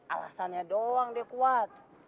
alasannya doang dia kuat